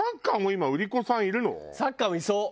サッカーもいそう。